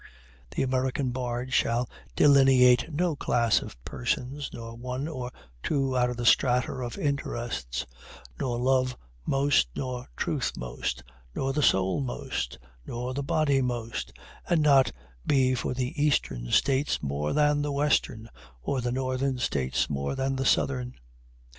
The American bard shall delineate no class of persons, nor one or two out of the strata of interests, nor love most nor truth most, nor the soul most, nor the body most and not be for the Eastern States more than the Western, or the Northern States more than the Southern.